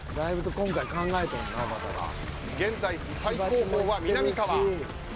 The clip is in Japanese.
現在、最後方はみなみかわ。